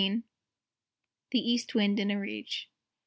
THE EAST WIND IN A RAGE.